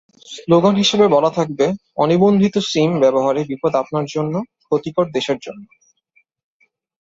Slogan হিসেবে বলা থাকবে—অনিবন্ধিত সিম ব্যবহারে বিপদ আপনার জন্য, ক্ষতিকর দেশের জন্য।